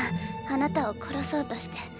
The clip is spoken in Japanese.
あなたを殺そうとして。